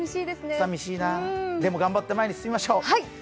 でも、頑張って前に進みましょう。